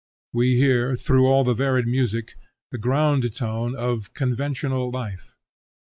We hear, through all the varied music, the ground tone of conventional life.